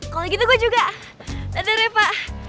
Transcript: kalo gitu gua juga dadah reva